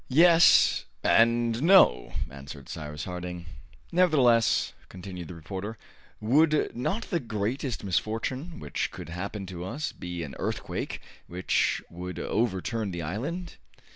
"Yes, and no," answered Cyrus Harding. "Nevertheless," continued the reporter, "would not the greatest misfortune which could happen to us be an earthquake which would overturn the island?